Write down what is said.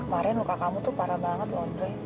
kemarin luka kamu tuh parah banget loh andre